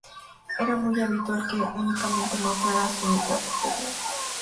Era muy habitual que únicamente mostraran su mitad superior.